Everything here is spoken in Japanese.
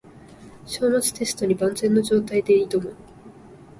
章末テストに万全の状態で挑む